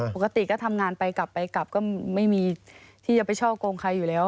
ปกติก็ทำงานไปกลับไปกลับก็ไม่มีที่จะไปช่อกงใครอยู่แล้ว